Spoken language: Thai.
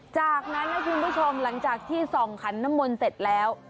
จากนั้นนะคุณผู้ชมหลังจากที่ส่องขันน้ำมนต์เสร็จแล้ว